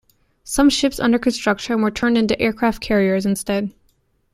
Some ships under construction were turned into aircraft carriers instead.